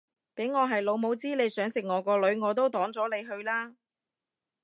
俾我係老母知你想食我個女我都擋咗你去啦